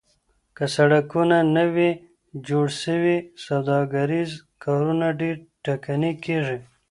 که سړکونه نه وي جوړ سوي سوداګريز کارونه ډېر ټکني کيږي.